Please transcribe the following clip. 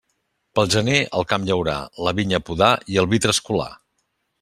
Pel gener, el camp llaurar, la vinya podar i el vi trascolar.